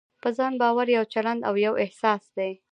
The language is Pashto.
په ځان باور يو چلند او يو احساس دی.